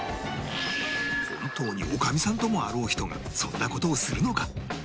本当に女将さんともあろう人がそんな事をするのか？